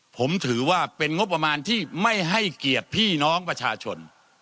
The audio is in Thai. ผมถือว่าเป็นงบประมาณที่ไม่ให้เกียรติพี่น้องประชาชน